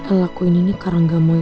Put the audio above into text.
lelakuin ini karena gak mau yang lain